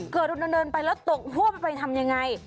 เกิดว่าเราเดินไปแล้วตกห้วมไปทำยังไง